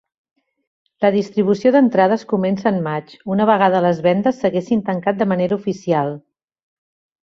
La distribució d'entrades comença en maig, una vegada les vendes s'haguessin tancat de manera oficial.